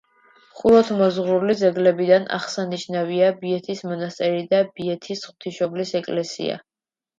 ხუროთმოძღვრული ძეგლებიდან აღსანიშნავია ბიეთის მონასტერი და ბიეთის ღვთისმშობლის ეკლესია.